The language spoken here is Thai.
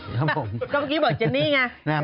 ก็เมื่อกี้บอกเจนนี่ไง